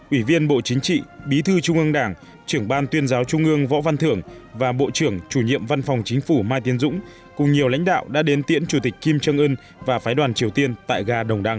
ủy viên bộ chính trị bí thư trung ương đảng trưởng ban tuyên giáo trung ương võ văn thưởng và bộ trưởng chủ nhiệm văn phòng chính phủ mai tiến dũng cùng nhiều lãnh đạo đã đến tiễn chủ tịch kim trương ưn và phái đoàn triều tiên tại ga đồng đăng